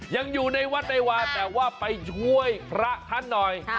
ยังอยู่ในวัดในวาแต่ว่าไปช่วยพระท่านหน่อย